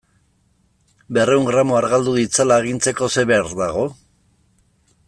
Berrehun gramo argaldu ditzala agintzeko zer behar dago?